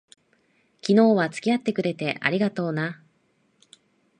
昨日は付き合ってくれて、ありがとな。